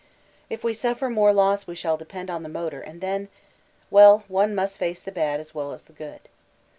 If we suffer more loss we shall depend on the motor, and then! ... well, one must face the bad as well as the good.